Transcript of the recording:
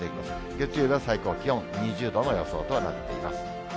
月曜日は最高気温２０度の予想となっています。